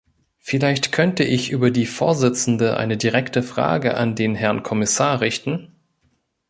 Vielleicht könnte ich über die Vorsitzende eine direkte Frage an den Herrn Kommissar richten?